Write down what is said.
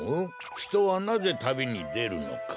ひとはなぜたびにでるのか。